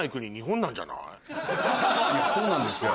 いやそうなんですよ。